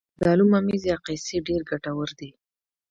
د زردالو ممیز یا قیسی ډیر ګټور دي.